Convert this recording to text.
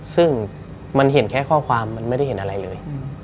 ซึ่งมันเห็นแค่ข้อความมันไม่ได้เห็นอะไรเลย